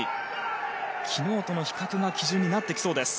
昨日との比較が基準になってきそうです。